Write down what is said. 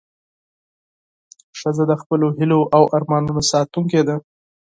ښځه د خپلو هیلو او ارمانونو ساتونکې ده.